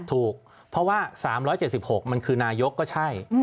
ถูกเพราะว่า๓๗๖มันคือนายกก็ใช่